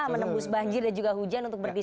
menembus banjir dan juga hujan untuk beban kerja